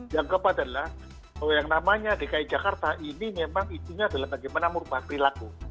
yang keempat adalah yang namanya dki jakarta ini memang itunya adalah bagaimana merupakan perilaku